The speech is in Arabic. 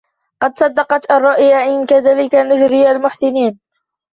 قد صدقت الرؤيا إنا كذلك نجزي المحسنين